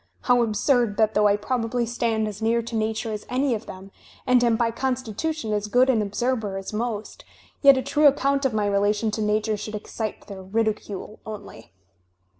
••• How absurd that though I probably stand as near to Nature as any of them, | and am by constitution as good an observer as most, yet a i true account of my relation to Nature should excite their ] ridicule only."